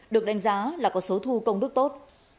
được đánh giá là có số thu công đức tốt